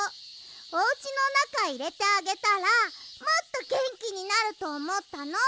おうちのなかいれてあげたらもっとげんきになるとおもったの。